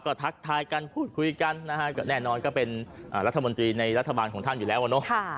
ก็ทักทายกันพูดคุยกันนะฮะก็แน่นอนก็เป็นรัฐมนตรีในรัฐบาลของท่านอยู่แล้วอะเนาะ